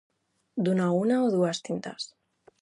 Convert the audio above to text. Donar una o dues tintes.